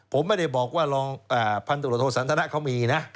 ผมไม่ได้บอกว่ารองพันธุรโทษสันทนะเขามีนะ